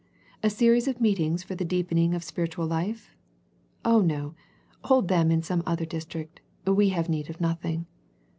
A series of meetings for the deepening of spirit ual life? Oh no, hold them in some other dis trict, we have need of nothing.